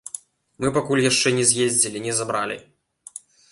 Мы пакуль яшчэ не з'ездзілі, не забралі.